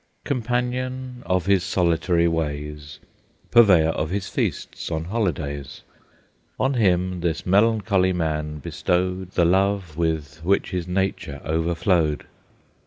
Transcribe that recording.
Companion of his solitary ways, Purveyor of his feasts on holidays, On him this melancholy man bestowed The love with which his nature overflowed.